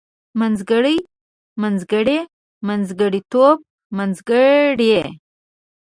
منځګړی منځګړي منځګړيتوب منځګړۍ